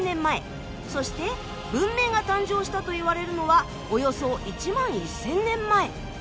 そして文明が誕生したといわれるのはおよそ１万１，０００年前。